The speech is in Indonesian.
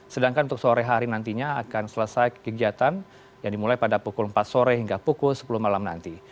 sedangkan untuk sore hari nantinya akan selesai kegiatan yang dimulai pada pukul empat sore hingga pukul sepuluh malam nanti